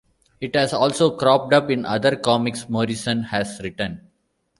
It has also cropped up in other comics Morrison has written.